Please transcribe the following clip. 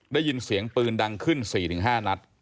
ได้ยินเสียงปืนดังขึ้น๔๕นัด